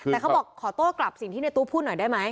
แต่เขาบอกขอโต้กลับสิ่งที่ในตู้พูดหน่อยได้ไหม